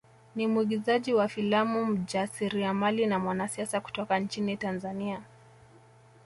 Ni mwigizaji wa filamu mjasiriamali na mwanasiasa kutoka nchini Tanzania